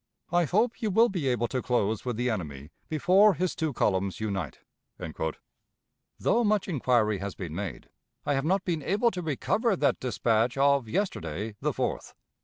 I hope you will be able to close with the enemy before his two columns unite." [Map: Battle of Shiloh Part II] Though much inquiry has been made, I have not been able to recover that dispatch "of yesterday" the 4th.